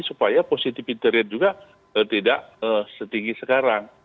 supaya positivity rate juga tidak setinggi sekarang